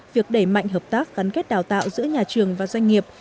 việc đẩy mạnh hợp tác gắn kết đào tạo giữa nhà trường và doanh nghiệp